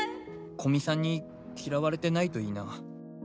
古見さんに嫌われてないといいな。